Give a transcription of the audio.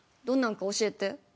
どんなんか教えて。